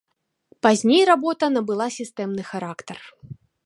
Пазней работа набыла сістэмны характар.